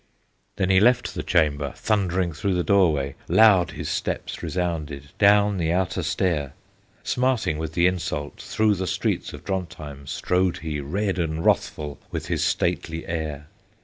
Then he left the chamber, Thundering through the doorway, Loud his steps resounded Down the outer stair. Smarting with the insult, Through the streets of Drontheim Strode he red and wrathful, With his stately air.